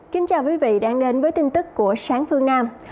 kính chào quý vị đang đến với tin tức của sáng phương nam